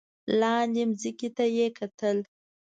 لاندې ځمکې ته یې کتل.